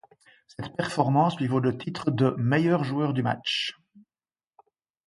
Cette performance lui vaut le titre de meilleur joueur du match.